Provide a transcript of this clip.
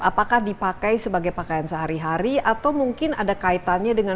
apakah dipakai sebagai pakaian sehari hari atau mungkin ada kaitannya dengan